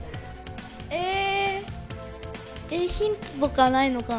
えヒントとかないのかな？